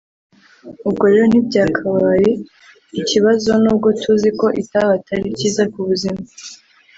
ubwo rero ibyo ntibyakabaye ikibazo nubwo tuzi ko itabi atari ryiza ku buzima